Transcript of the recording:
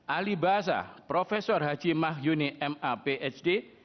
ahli agama prof dr h mahyuni m a b h d